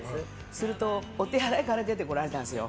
すると、お手洗いから出てこられたんですよ